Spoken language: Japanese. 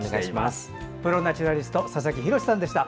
プロ・ナチュラリストの佐々木洋さんでした。